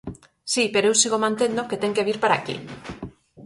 Si, pero eu sigo mantendo que ten que vir para aquí.